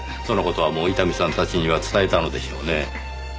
その事はもう伊丹さんたちには伝えたのでしょうねぇ。